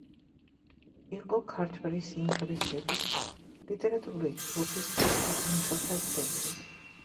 იყო ქართველი სიმბოლისტების ლიტერატურული ჯგუფის „ცისფერყანწელთა“ წევრი.